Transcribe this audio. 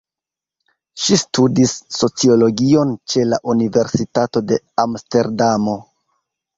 Ŝi studis sociologion ĉe la Universitato de Amsterdamo.